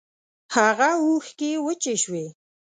هاغه اوښکی وچې شوې